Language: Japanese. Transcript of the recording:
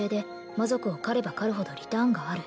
魔族を狩れば狩るほどリターンがある